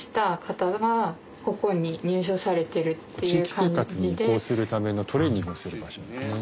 地域生活に移行するためのトレーニングをする場所ですね。